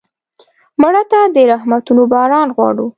مړه ته د رحمتونو باران غواړو